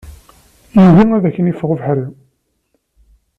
Yugi ad ken-iffeɣ ubeḥri.